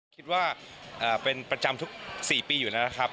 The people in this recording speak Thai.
คิดว่าเป็นประจำทุก๔ปีอยู่แล้วนะครับ